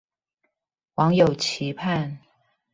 網友期盼